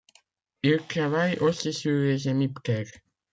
Il travaille aussi sur les hémiptères.